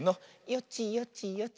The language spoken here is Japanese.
よちよちよち。